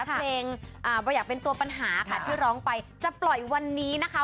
เพลงไม่อยากเป็นตัวปัญหาค่ะที่ร้องไปจะปล่อยวันนี้นะคะ